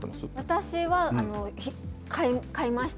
私は買いました。